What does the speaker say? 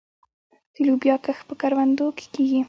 د لوبیا کښت په کروندو کې کیږي.